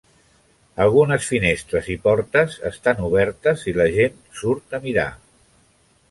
Algunes finestres i portes estan obertes i la gent surt a mirar.